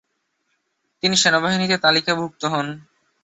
তিনি সেনাবাহিনীতে তালিকাভুক্ত হন।